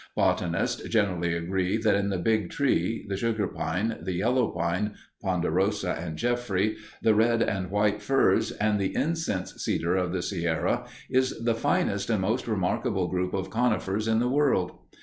Botanists generally agree that in the Big Tree, the sugar pine, the yellow pine (ponderosa and Jeffrey), the red and white firs, and the incense cedar of the Sierra is the finest and most remarkable group of conifers in the world.